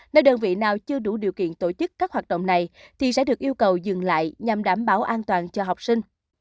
nơi đơn vị nào chưa đủ điều kiện tổ chức các hoạt động này thì sẽ được yêu cầu dừng lại nhằm đảm bảo an toàn cho học sinh